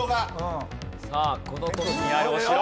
さあこの都市にあるお城。